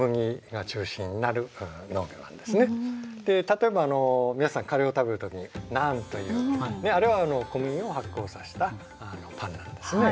例えば皆さんカレーを食べる時にナンというあれは小麦を発酵させたパンなんですね。